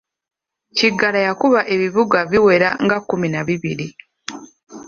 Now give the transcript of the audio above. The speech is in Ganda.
Kiggala yakuba ebibuga biwera nga kkumi na bibiri.